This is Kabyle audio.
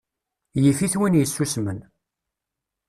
Yif-it win yessusmen.